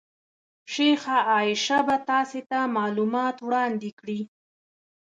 شیخه عایشه به تاسې ته معلومات وړاندې کړي.